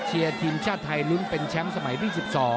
เชียร์ทีมชาติไทยลุ้นเป็นแชมป์สมัยที่๑๒